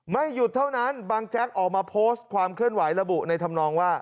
ไม่หยุดเท่านั้นบางแจ๊กออกมาโพสต์ความเคลื่อนไหวระบุในธรรมนองว่า